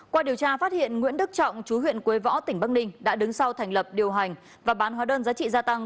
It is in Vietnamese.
qua điều tra phát hiện nguyễn đức trọng chú huyện quế võ tỉnh bắc ninh đã đứng sau thành lập điều hành và bán hóa đơn giá trị gia tăng